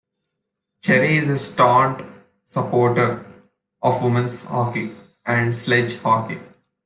Cherry is a staunch supporter of women's hockey, and sledge hockey.